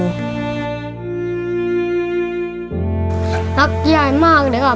รักยายมากเลยครับ